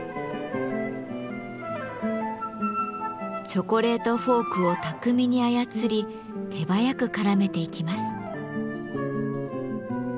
チョコレートフォークを巧みに操り手早くからめていきます。